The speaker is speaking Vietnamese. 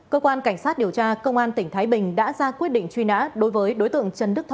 cơ quan cảnh sát điều tra công an tỉnh thái bình đã ra quyết định truy nã đối với đối tượng trần đức thọ